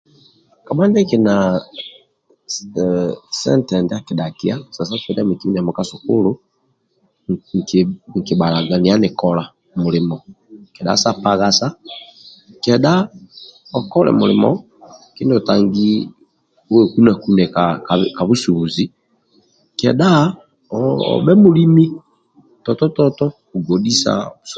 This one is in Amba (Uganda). Kabha ndiekili na eee sente ndia akidhakia sa sasulilia miki mindiamo ka sukulu niki nikibhala niya nikola mulimo kedha sa paghasa kedha okole mulimo kindio otangi wekuna kune ka busubuzi kedha obhe mulimi toto toto okugodhisa su